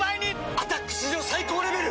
「アタック」史上最高レベル！